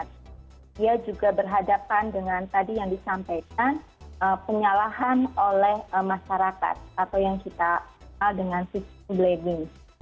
dia juga berhadapan dengan tadi yang disampaikan penyalahan oleh masyarakat atau yang kita kenal dengan sistem blaming